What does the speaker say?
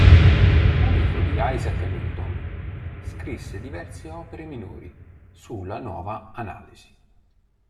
Amico di Isaac Newton, scrisse diverse opere minori sulla nuova analisi.